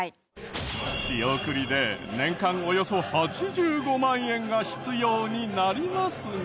仕送りで年間およそ８５万円が必要になりますが。